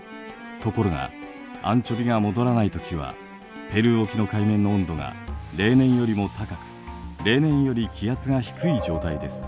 ところがアンチョビが戻らない時はペルー沖の海面の温度が例年よりも高く例年より気圧が低い状態です。